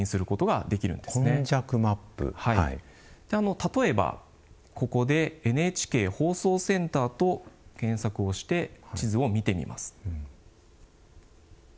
例えばここで「ＮＨＫ放送センター」と検索をして地図を見てみます。